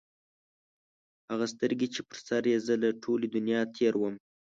هغه سترګي چې په سر یې زه له ټولي دنیا تېر وم